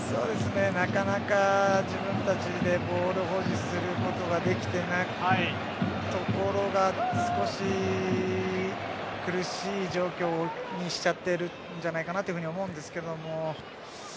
なかなか自分たちでボールを保持することができていなくてできていないところが少し苦しい状況にしちゃっているんじゃないかなというふうに思うんですけれども。